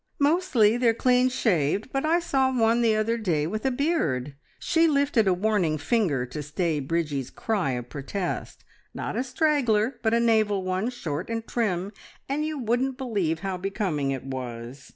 Mostly they're clean shaved, but I saw one the other day with a beard " She lifted a warning finger to stay Bridgie's cry of protest. "Not a straggler, but a naval one, short and trim; and you wouldn't believe how becoming it was!